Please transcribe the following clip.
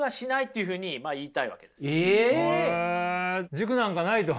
軸なんかないと？